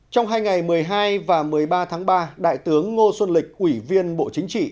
trong hai ngày một mươi hai và một mươi ba tháng ba đại tướng ngô xuân lịch ủy viên bộ chính trị